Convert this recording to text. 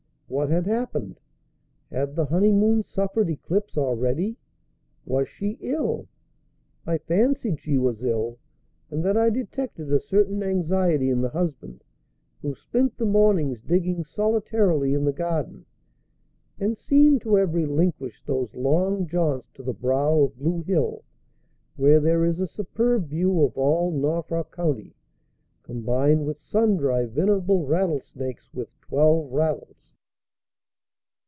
What had happened? Had the honeymoon suffered eclipse already? Was she ill? I fancied she was ill, and that I detected a certain anxiety in the husband, who spent the mornings digging solitarily in the garden, and seemed to have relinquished those long jaunts to the brow of Blue Hill, where there is a superb view of all Norfolk County combined with sundry venerable rattlesnakes with twelve rattles.